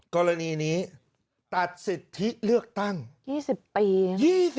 กรณีนี้ตัดสิทธิเลือกตั้ง๒๐ปี